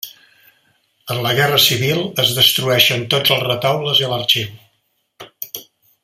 En la guerra civil es destrueixen tots els retaules i l'arxiu.